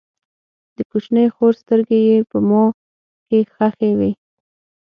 د کوچنۍ خور سترګې یې په ما کې خښې وې